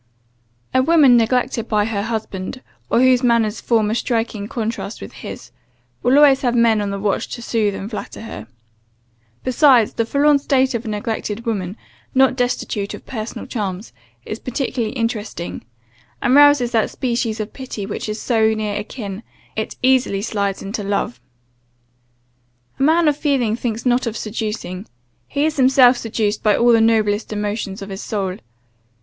"A woman neglected by her husband, or whose manners form a striking contrast with his, will always have men on the watch to soothe and flatter her. Besides, the forlorn state of a neglected woman, not destitute of personal charms, is particularly interesting, and rouses that species of pity, which is so near akin, it easily slides into love. A man of feeling thinks not of seducing, he is himself seduced by all the noblest emotions of his soul.